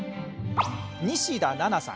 西田奈々さん。